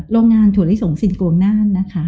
โรงงานถั่วลิสงสินโกงน่านนะคะ